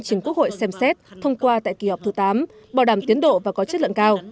chính quốc hội xem xét thông qua tại kỳ họp thứ tám bảo đảm tiến độ và có chất lượng cao